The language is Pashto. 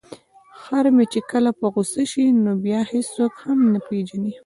خر مې چې کله په غوسه شي نو بیا هیڅوک هم نه پيژني.